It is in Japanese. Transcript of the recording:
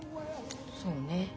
そうね。